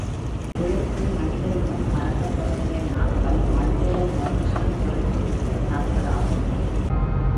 உழைப்பை மனித இனம் மறக்கத் தொடங்கிய நாட்கள், மனிதர்கள் மகிழ்ச்சியைத் தொலைத்துவிட்ட நாட்களாகும்.